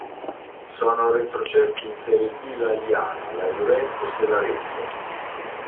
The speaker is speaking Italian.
Sono retrocessi in Serie B l'Agliana, la Juventus e l'Arezzo.